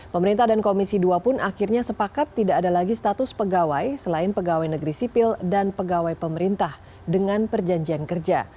pemerintah dan komisi dua pun akhirnya sepakat tidak ada lagi status pegawai selain pegawai negeri sipil dan pegawai pemerintah dengan perjanjian kerja